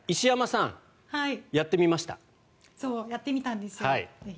やってみたんですよ。